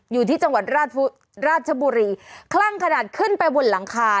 อยู่ที่จังหวัดราชบุรีคลั่งขนาดขึ้นไปบนหลังคา